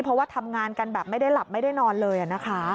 เพราะว่าทำงานกันแบบไม่ได้หลับไม่ได้นอนเลยนะคะ